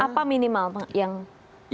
apa minimal yang terpengaruh